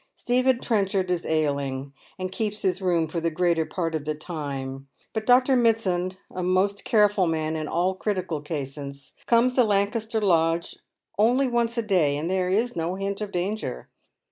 Stephen Trenchard is ailing, and keeps his room for the greater part of the time, but Dr. Mitsand, a most careful man in all critical cases, comes to Lancaster Lodge only once a day, and there is no hint of danger.